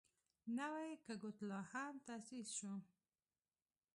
نوی کګوتلا هم تاسیس شو.